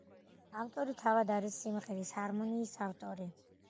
ავტორი თავად არის სიმღერის ჰარმონიის ავტორი.